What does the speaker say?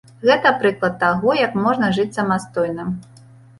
Гэта прыклад таго, як можна жыць самастойна.